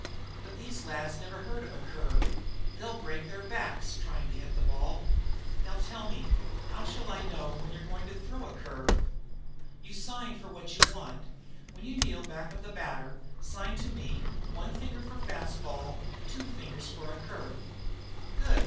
But these lads never heard of a curve. They'll break their backs trying to hit the ball. Now tell me how I shall know when you are going to throw a curve." "You sign for what you want. When you kneel back of the batter sign to me, one finger for fastball, two fingers for a curve." "Good!"